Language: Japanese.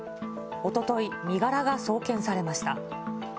おととい、身柄が送検されました。